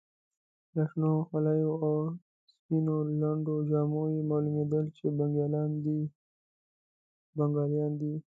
له شنو خولیو او سپینو لنډو جامو یې معلومېدل چې بنګالیان دي.